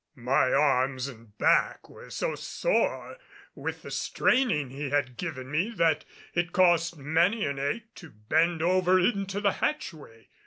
My arms and back were so sore with the straining he had given me that it cost many an ache to bend over into the hatchway.